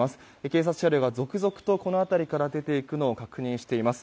警察車両が続々と、この辺りから出て行くのを確認しています。